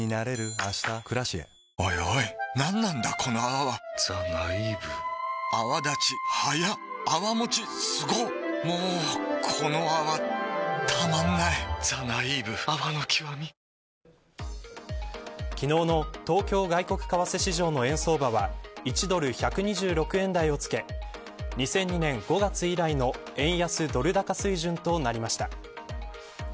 ４８６０円相当が無料抽選で１万名様にお申し込みは昨日の東京外国為替市場の円相場は１ドル１２６円台をつけ２００２年５月以来の円安ドル高水準となりました。